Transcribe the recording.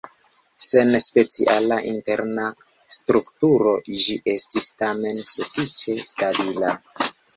Sen speciala interna strukturo ĝi estis tamen sufiĉe stabila.